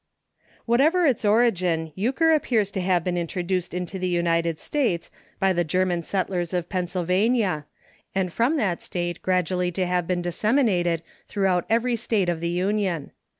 Whatever its origin, Euchre appears to have been introduced into the United States by the German settlers of Pennsylvania, and from that State gradually to have been disse minated throughout every State of the Union.